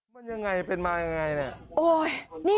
มันยังไงเป็นมายังไง